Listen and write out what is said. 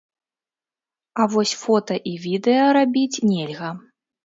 А вось фота і відэа рабіць нельга.